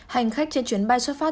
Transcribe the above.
hành khách trên chuyến bay xuất phát